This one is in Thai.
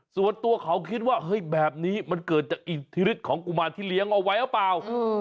ส่วนตัวเขาคิดว่าเฮ้ยแบบนี้มันเกิดจากอิทธิฤทธิของกุมารที่เลี้ยงเอาไว้หรือเปล่า